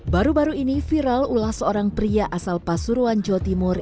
baru baru ini viral ulah seorang pria asal pasuruan jawa timur